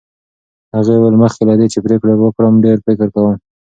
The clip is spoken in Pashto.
هغې وویل، مخکې له دې چې پرېکړه وکړم ډېر فکر کوم.